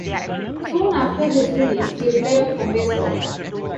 Soon after his release, he retired from baseball.